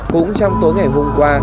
cũng trong tối ngày hôm qua